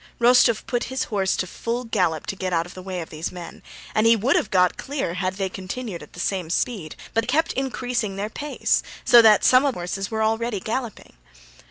Rostóv put his horse to full gallop to get out of the way of these men, and he would have got clear had they continued at the same speed, but they kept increasing their pace, so that some of the horses were already galloping.